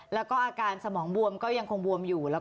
ละก็อาการสมองบวมก็ยังคงบวมอยู่แล้ว